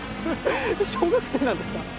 小学生なんですか？